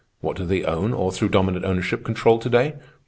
What do they own or, through dominant ownership, control to day?